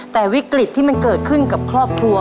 แต่วิกฤตที่มันเกิดขึ้นกับครอบครัว